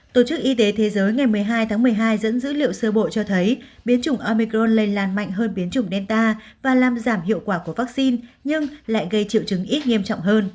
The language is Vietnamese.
tổ chức y tế thế giới ngày một mươi hai tháng một mươi hai dẫn dữ liệu sơ bộ cho thấy biến chủng omicron lây lan mạnh hơn biến chủng delta và làm giảm hiệu quả của vaccine nhưng lại gây triệu chứng ít nghiêm trọng hơn